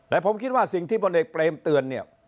แต่ผมคิดว่าสิ่งที่พลเอกเปรมเตือนเนี่ย